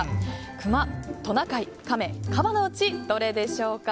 クマ、トナカイカメ、カバのうちどれでしょうか。